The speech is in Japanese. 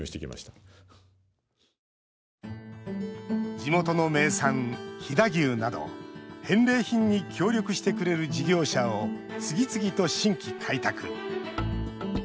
地元の名産、飛騨牛など返礼品に協力してくれる事業者を次々と新規開拓。